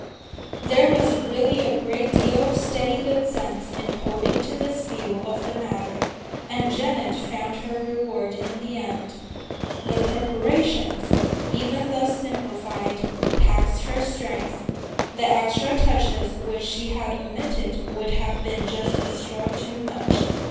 There was really a great deal of steady good sense in holding to this view of the matter, and Janet found her reward in the end. The preparations, even thus simplified, taxed her strength; the extra touches which she had omitted would have been just the "straw too much."